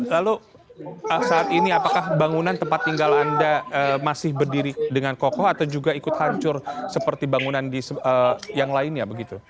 lalu saat ini apakah bangunan tempat tinggal anda masih berdiri dengan kokoh atau juga ikut hancur seperti bangunan yang lainnya begitu